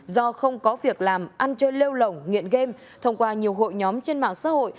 do không có việc làm ăn chơi lêu lỏng nghiện game thông qua nhiều hội nhóm trên mạng xã hội